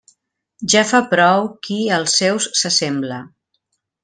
Ja fa prou qui als seus s'assembla.